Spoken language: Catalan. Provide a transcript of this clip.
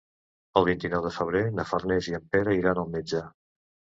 El vint-i-nou de febrer na Farners i en Pere iran al metge.